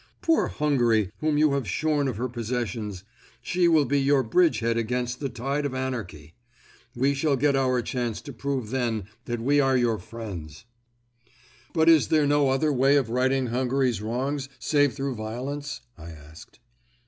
Poor Hungary, whom you have shorn of her possessions, she will be your bridge head against the tide of anarchy. We shall get our chance to prove then that we are your friends." "But is there no other way of righting Hungary's wrongs save through violence?" I asked.